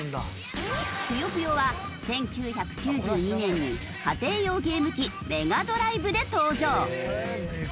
『ぷよぷよ』は１９９２年に家庭用ゲーム機メガドライブで登場。